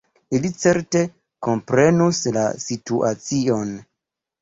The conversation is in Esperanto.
Ili certe komprenus la situacion.